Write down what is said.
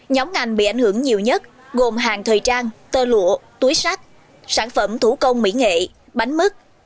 nhóm ngành bị ảnh hưởng nhiều nhất gồm hàng thời trang tơ lụa túi sách sản phẩm thủ công mỹ nghệ bánh mứt